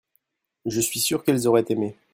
je suis sûr qu'elles auraient aimé.